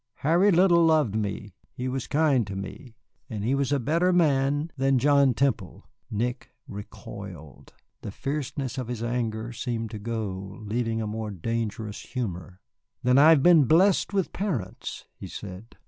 "Harry Riddle loved me, he was kind to me, and he was a better man than John Temple." Nick recoiled. The fierceness of his anger seemed to go, leaving a more dangerous humor. "Then I have been blessed with parents," he said.